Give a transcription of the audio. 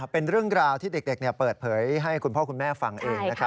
เป็นเรื่องราวที่เด็กเปิดเผยให้คุณพ่อคุณแม่ฟังเองนะครับ